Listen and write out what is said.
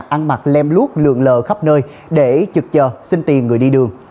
ăn mặc lem lút lượng lờ khắp nơi để trực chờ xin tiền người đi đường